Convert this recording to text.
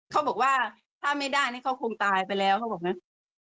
เขาบอกว่าถ้าไม่ได้นี่เขาคงตายไปแล้วเขาบอกงั้น